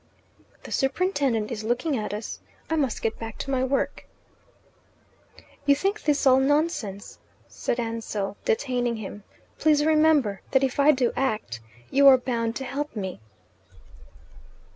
"The superintendent is looking at us. I must get back to my work." "You think this all nonsense," said Ansell, detaining him. "Please remember that if I do act, you are bound to help me."